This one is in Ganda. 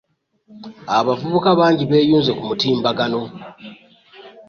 abavubuka bangi beeyuunze ku mutimbagano.